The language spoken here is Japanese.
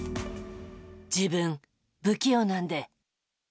自分、不器用なんで。